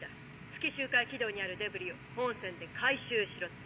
『月周回軌道にあるデブリを本船で回収しろ』ってさ」。